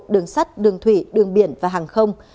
đường sắt đường thủy đường biển và hàng không